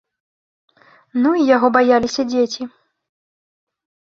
Ну й яго баяліся дзеці!